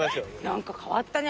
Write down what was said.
何か変わったね